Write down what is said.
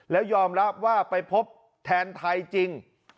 แล้วยอมรับว่าไปพบแทนไทยจริง